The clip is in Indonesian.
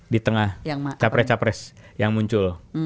di tengah capres capres yang muncul